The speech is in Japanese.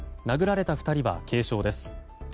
殴られた２人は軽傷です。